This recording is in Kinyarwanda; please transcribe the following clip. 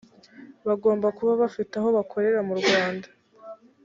bagomba kuba bafite aho bakorera mu rwanda